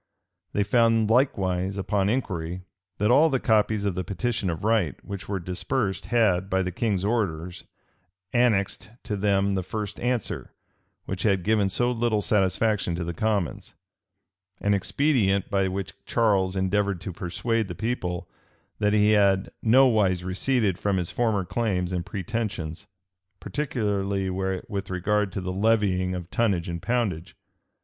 They found likewise, upon inquiry, that all the copies of the petition of right which were dispersed, had, by the king's orders, annexed to them the first answer, which had given so little satisfaction to the commons;[*] an expedient by which Charles endeavored to persuade the people that he had nowise receded from his former claims and pretensions, particularly with regard to the levying of tonnage and poundage.